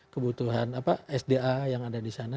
kebutuhan sda yang ada di sana